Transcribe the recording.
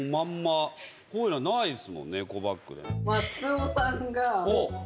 こういうのないですもんねエコバッグで。